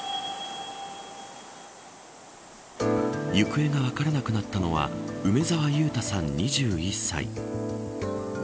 行方が分からなくなったのは梅澤佑太さん２１歳。